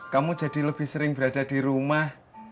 kamu jadi lebih sering berada di rumah